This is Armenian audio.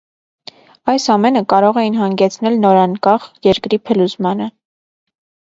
Այս ամենը կարող էին հանգեցնել նորանկախ երկրի փլուզման։